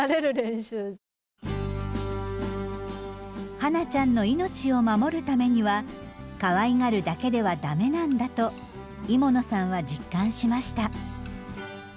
ハナちゃんの命を守るためにはかわいがるだけでは駄目なんだと伊茂野さんは実感しました。